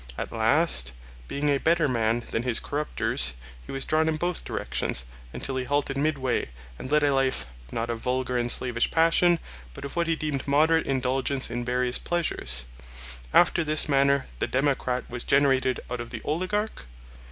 At last, being a better man than his corruptors, he was drawn in both directions until he halted midway and led a life, not of vulgar and slavish passion, but of what he deemed moderate indulgence in various pleasures. After this manner the democrat was generated out of the oligarch?